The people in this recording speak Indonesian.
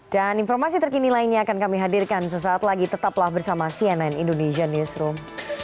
dan informasi terkini lainnya akan kami hadirkan sesaat lagi tetaplah bersama cnn indonesian newsroom